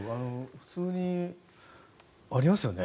普通にありますよね？